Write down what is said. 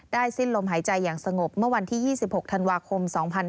สิ้นลมหายใจอย่างสงบเมื่อวันที่๒๖ธันวาคม๒๕๕๙